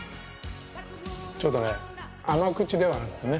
ちょっとね甘口ではあるんですね。